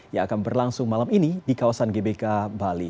yang akan berlangsung malam ini di kawasan gbk bali